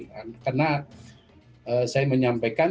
karena saya menyampaikan